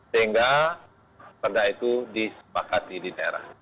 sehingga perda itu disepakati di daerah